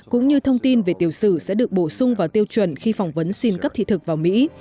cũng như thông tin về tiểu sử sẽ được bổ sung vào tiêu chuẩn khi phỏng vấn xin cấp thị thực vào mỹ